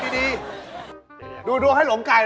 ดีดูดวงให้หลงไก่